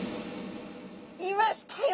いましたよ